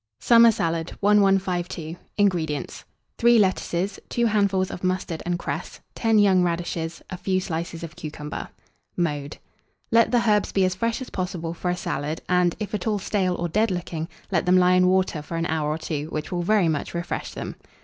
SUMMER SALAD. 1152. INGREDIENTS. 3 lettuces, 2 handfuls of mustard and cress, 10 young radishes, a few slices of cucumber. [Illustration: SALAD IN BOWL.] Mode. Let the herbs be as fresh as possible for a salad, and, if at all stale or dead looking, let them lie in water for an hour or two, which will very much refresh them.